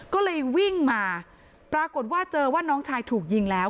ก็เลยวิ่งมาปรากฏว่าเจอว่าน้องชายถูกยิงแล้ว